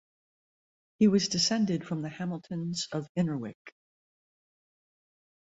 He was descended from the Hamiltons of Innerwick.